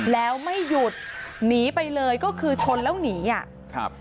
แล้วไม่หยุดหนีไปเลยก็คือชนแล้วหนีอ่ะครับ